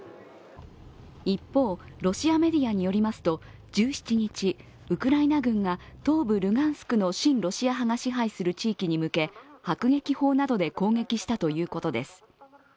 一方、ロシアメディアによりますと１７日、ウクライナ軍が東部ルガンスクの親ロシア派が支配する地域に向け迫撃砲などで攻撃したということです。